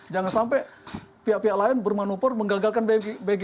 jangan sampai pihak pihak lain bermanupur menggagalkan bg